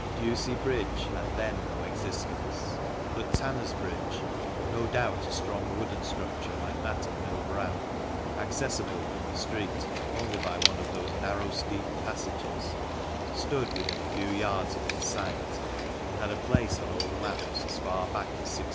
Ducie Bridge had then no existence, but Tanners' Bridge — no doubt a strong wooden structure like that at Mill Brow — accessible from the street only by one of those narrow steep passages, stood within a few yards of its site, and had a place on old maps so far back as 1650.